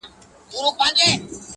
چي دا عرض به مي څوک یوسي تر سلطانه٫